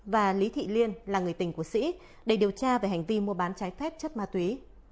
và lý thị liên là người tình của sĩ để điều tra về hành vi mua bán trái phép chất ma túy